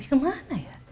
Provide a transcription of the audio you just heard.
nanti kemana ya